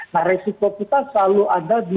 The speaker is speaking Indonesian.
nah resiko kita selalu ada di